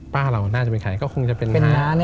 เราน่าจะเป็นใครก็คงจะเป็น